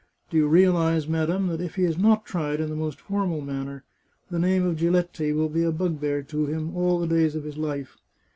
Do you realize, madam, that if he is not tried in the most formal manner, the name of Giletti will be a bugbear to him all the days of his life